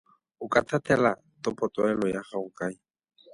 O ka tlhatlhela topotuelo ya gago kae?